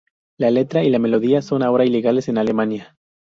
La letra y la melodía son ahora ilegales en Alemania.